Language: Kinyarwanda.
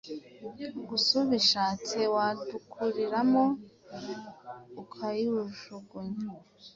gusa ubishatse wadukuramo.ukayujugunya